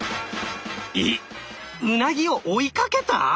えっウナギを追いかけた！？